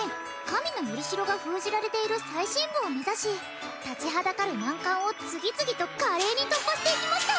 「神の依代」が封じられている最深部を目指し立ちはだかる難関を次々と華麗に突破していきました！